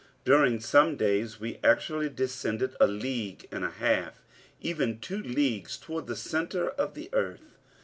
During some days, we actually descended a league and a half, even two leagues towards the centre of the earth.